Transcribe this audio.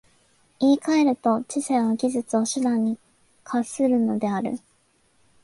言い換えると、知性は技術を手段に化するのである。